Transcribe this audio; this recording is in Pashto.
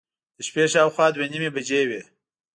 د شپې شاوخوا دوه نیمې بجې وې.